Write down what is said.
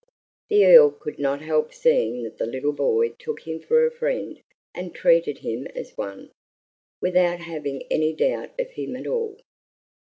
The Earl could not help seeing that the little boy took him for a friend and treated him as one, without having any doubt of him at all.